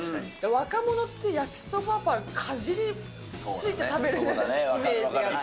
若者って焼きそばパンかじりついて食べるイメージがあって。